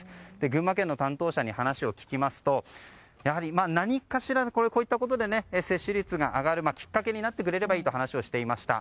群馬県の担当者に話を聞きますとやはり何かしらのこういったことで接種率が上がるきっかけになってくれればいいと話をしていました。